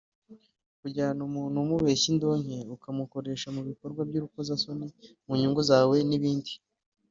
kujyana umuntu umubeshya indonke ukamukoresha mu bikorwa by’urukozasoni mu nyungu zawe n’ibindi